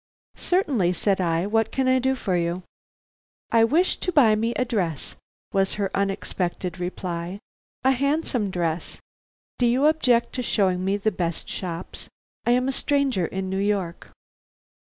"Certainly," said I. "What can I do for you?" "I wish to buy me a dress," was her unexpected reply. "A handsome dress. Do you object to showing me the best shops? I am a stranger in New York."